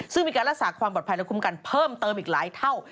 ซึ่งมีการรักษาความปลอดภัยและคุ้มกันเพิ่มเติมอีกหลายเท่า